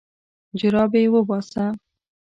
جرابې وباسه.